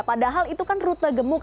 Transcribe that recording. padahal itu kan rute gemuk